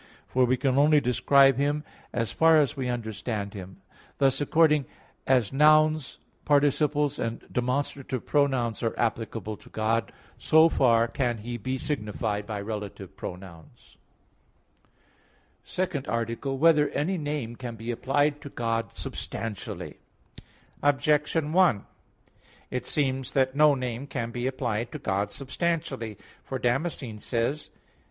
For we can only describe Him as far as we understand Him. Thus, according as nouns, participles and demonstrative pronouns are applicable to God, so far can He be signified by relative pronouns. _______________________ SECOND ARTICLE [I, Q. 13, Art. 2] Whether Any Name Can Be Applied to God Substantially? Objection 1: It seems that no name can be applied to God substantially. For Damascene says (De Fide Orth.